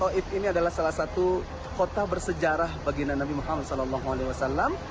toid ini adalah salah satu kota bersejarah baginda nabi muhammad saw